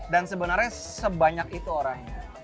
dan sebenarnya sebanyak itu orangnya